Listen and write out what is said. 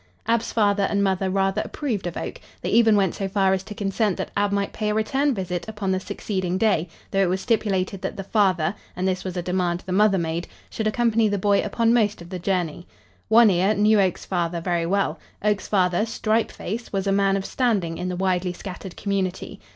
Ab's father and mother rather approved of Oak. They even went so far as to consent that Ab might pay a return visit upon the succeeding day, though it was stipulated that the father and this was a demand the mother made should accompany the boy upon most of the journey. One Ear knew Oak's father very well. Oak's father, Stripe Face, was a man of standing in the widely scattered community.